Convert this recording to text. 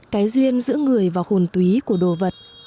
cái duyên giữa người và hồn túy của đồ vật